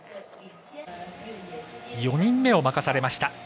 ４人目を任されました。